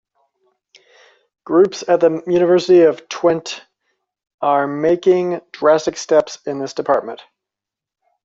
Groups at the University of Twente are making drastic steps in this department.